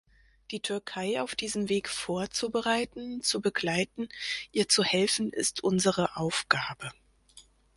Die Türkei auf diesem Weg vorzubereiten, zu begleiten, ihr zu helfen, ist unsere Aufgabe.